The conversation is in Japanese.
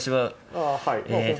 ああはい。